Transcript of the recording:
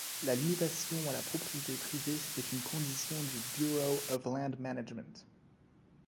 La limitation à la propriété privée est une condition du Bureau of Land Management.